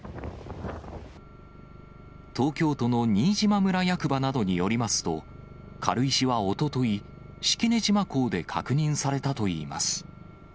東京都の新島村役場などによりますと、軽石はおととい、式根島港で確認されたといいます。